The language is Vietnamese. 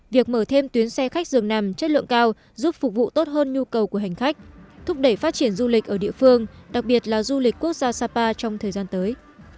việc mở thêm tuyến xe khách dường nằm chất lượng cao giúp phục vụ tốt hơn nhu cầu của hành khách thúc đẩy phát triển du lịch ở địa phương đặc biệt là du lịch quốc gia sapa trong thời gian tới